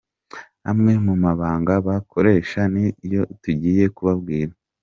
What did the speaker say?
Amwe mu mabanga bakoresha ni yo tugiye kubabwira.